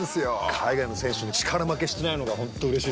海外の選手に力負けしてないのが本当うれしいですよね。